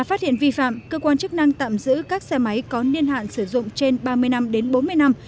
phát hiện vi phạm cơ quan chức năng tạm giữ các xe máy có niên hạn sử dụng trên ba mươi năm đến bốn mươi năm